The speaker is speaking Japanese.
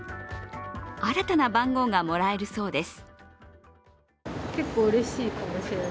新たな番号がもらえるそうです。